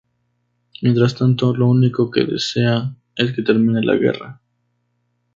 Mientras tanto lo único que desea es que termine la guerra.